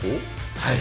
はい。